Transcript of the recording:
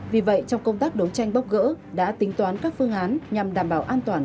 vì vậy trong công tác đấu tranh bóc gỡ đã tính toán các phương án nhằm đảm bảo an toàn